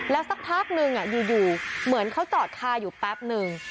แล้วสักพักนึงอยู่เหมือนเขาจอดคาอยู่แป๊บนึง